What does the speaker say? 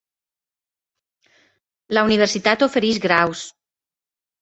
La universitat ofereix graus.